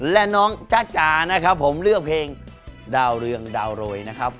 และน้องจ๊ะจ๋านะครับผมเลือกเพลงดาวเรืองดาวโรยนะครับ